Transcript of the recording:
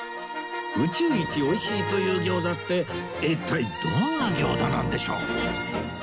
宇宙一美味しいという餃子って一体どんな餃子なんでしょう？